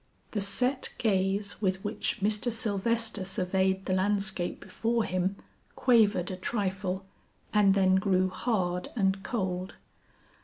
The set gaze with which Mr. Sylvester surveyed the landscape before him quavered a trifle and then grew hard and cold.